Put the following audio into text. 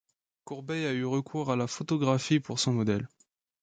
Courbet a eu recours à la photographie pour son modèle.